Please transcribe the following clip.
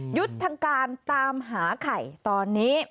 หยุดทางการตามหาไข่ตอนนี้